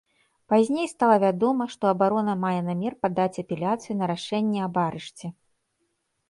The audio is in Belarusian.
Пазней стала вядома, што абарона мае намер падаць апеляцыю на рашэнне аб арышце.